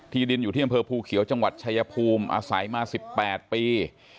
ดินอยู่ที่อำเภอภูเขียวจังหวัดชายภูมิอาศัยมา๑๘ปี